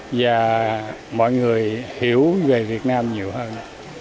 và mọi người hiểu về việt nam nhiều hơn